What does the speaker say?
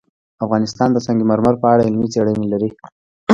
افغانستان د سنگ مرمر په اړه علمي څېړنې لري.